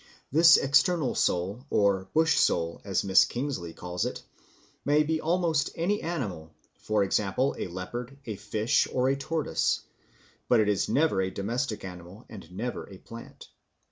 This external soul, or bush soul, as Miss Kingsley calls it, may be almost any animal, for example, a leopard, a fish, or a tortoise; but it is never a domestic animal and never a plant.